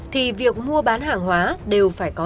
thì việc mua bán hàng hóa đều phải có